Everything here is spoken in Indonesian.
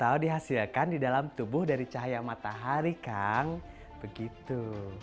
kalau dihasilkan di dalam tubuh dari cahaya matahari kang begitu